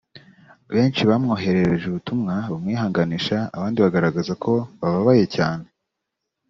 benshi bamwoherereje ubutumwa bumwihanganisha abandi bagaragaza ko bababaye cyane